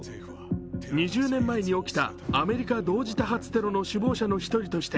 ２０年前に起きたアメリカ同時多発テロの首謀者の一人として、